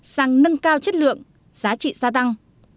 sang nâng cao chất lượng giá trị gia tăng